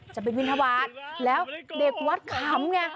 จะไปบินทบาทแล้วเด็กวัดขำไง